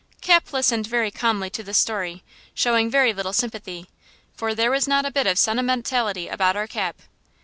Cap listened very calmly to this story, showing very little sympathy, for there was not a bit of sentimentality about our Cap.